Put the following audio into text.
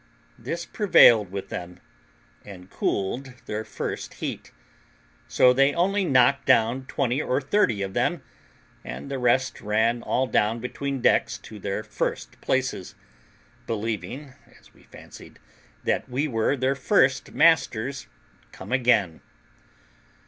This prevailed with them, and cooled their first heat; so they only knocked down twenty or thirty of them, and the rest ran all down between decks to their first places, believing, as we fancied, that we were their first masters come again.